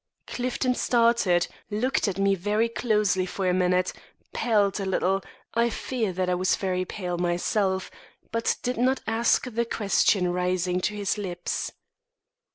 Clifton started; looked at me very closely for a minute, paled a little I fear that I was very pale myself but did not ask the question rising to his lips.